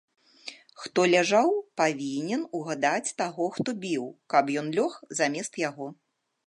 Хто ляжаў, павінен угадаць таго, хто біў, каб ён лёг замест яго.